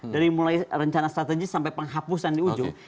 dari mulai rencana strategis sampai penghapusan di ujung